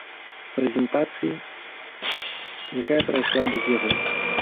Прэзентацыі, якая прайшла без яго.